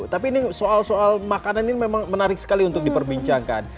tapi ini soal soal makanan ini memang menarik sekali untuk diperbincangkan